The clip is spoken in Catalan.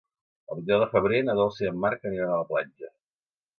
El vint-i-nou de febrer na Dolça i en Marc aniran a la platja.